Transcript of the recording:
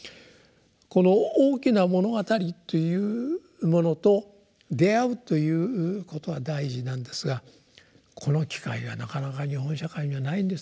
この「大きな物語」っていうものとであうということは大事なんですがこの機会がなかなか日本社会にはないんですね。